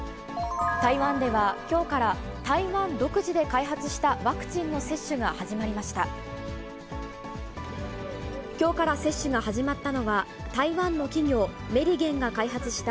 台湾では、きょうから台湾独自で開発したワクチンの接種が始まりました。